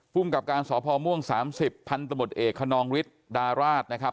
ภูมิกับการสพม่วง๓๐พันธบทเอกคนนองฤทธิ์ดาราชนะครับ